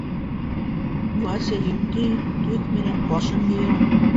Вася етди төҫ менән ҡашын йыйырып: